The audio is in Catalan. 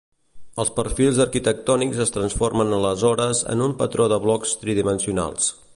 Els perfils arquitectònics es transformen aleshores en un patró de blocs tridimensionals.